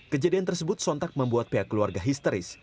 kejadian tersebut sontak membuat pihak keluarga histeris